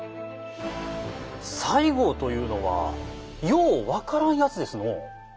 西郷というのはよう分からんやつですのう。